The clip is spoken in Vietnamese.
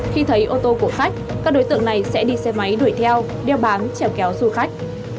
khi thấy ô tô của khách các đối tượng này sẽ đi xe máy đuổi theo đeo bám trèo kéo du khách